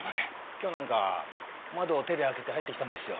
今日なんか窓を手で開けて入ってきたんですよ。